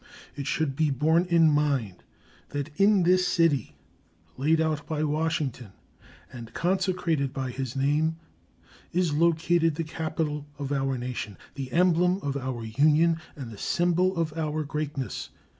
It should be borne in mind that in this city, laid out by Washington and consecrated by his name, is located the Capitol of our nation, the emblem of our Union and the symbol of our greatness.